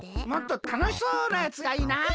もっとたのしそうなやつがいいな。